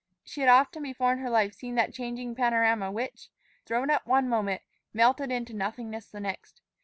She had often before in her life seen that changing panorama which, thrown up one moment, melted into nothingness the next.